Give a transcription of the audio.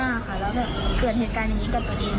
ค่ะแล้วแบบเกิดเหตุการณ์อย่างนี้กับตัวเอง